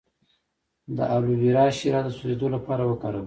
د الوویرا شیره د سوځیدو لپاره وکاروئ